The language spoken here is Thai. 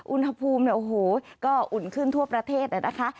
อุณหภูมิเนี่ยโอ้โหก็อุ่นขึ้นทั่วประเทศเลยนะคะ